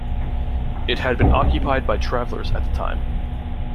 It had been occupied by travellers at the time.